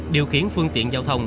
điều khiến phương tiện giao thông